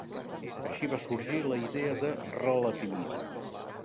Així va sorgir la idea de relativisme.